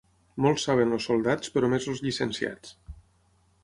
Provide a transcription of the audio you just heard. Molt saben els soldats, però més els llicenciats.